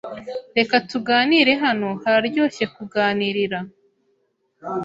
Reka tuganire hano hararyoshye kuganirira